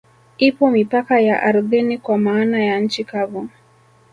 Ipo mipaka ya ardhini kwa maana ya nchi kavu